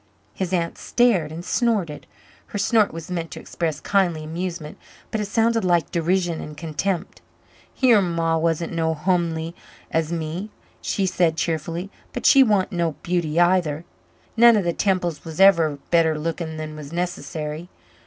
His aunt stared and snorted. Her snort was meant to express kindly amusement, but it sounded like derision and contempt. "Yer ma wasn't so humly as me," she said cheerfully, "but she wan't no beauty either. None of the Temples was ever better lookin' than was necessary.